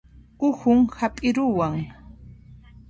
Uhun hap'iruwan